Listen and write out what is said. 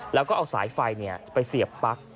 แล้วก็เอาสายไฟไปเสียบปั๊ก